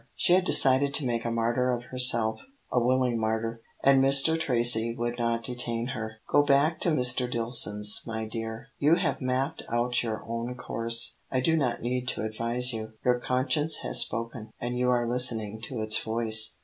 She had decided to make a martyr of herself a willing martyr, and Mr. Tracy would not detain her. "Go back to Mr. Dillson's, my dear; you have mapped out your own course. I do not need to advise you. Your conscience has spoken, and you are listening to its voice.